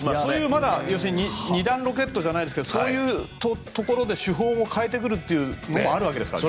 まだ２段ロケットじゃないですけどそういうところで手法も変えてくるというのもあるわけですか。